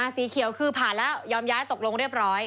สีเขียวคือผ่านแล้วยอมย้ายตกลงเรียบร้อย